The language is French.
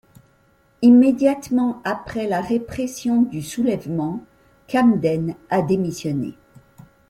Immédiatement après la répression du soulèvement, Camden a démissionné.